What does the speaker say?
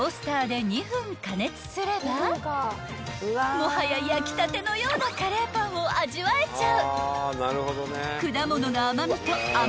［もはや焼きたてのようなカレーパンを味わえちゃう］